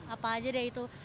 apa aja deh itu